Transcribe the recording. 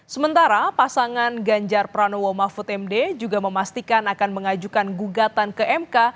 sementara pasangan ganjar pranowo mahfud md juga memastikan akan mengajukan gugatan ke mk